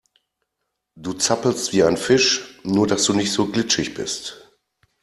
Du zappelst wie ein Fisch, nur dass du nicht so glitschig bist.